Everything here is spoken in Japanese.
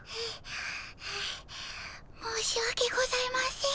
申しわけございません。